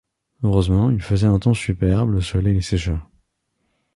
Heureusement, il faisait un temps superbe, le soleil les sécha.